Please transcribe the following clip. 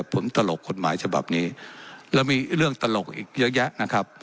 ผมตลกกฎหมายฉบับนี้แล้วมีเรื่องตลกอีกเยอะแยะนะครับ